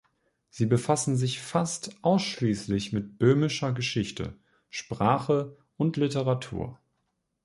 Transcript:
Sie befassten sich fast ausschließlich mit böhmischer Geschichte, Sprache und Literatur.